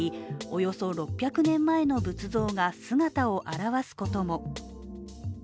およそ６００年前の仏像が姿を現すことも。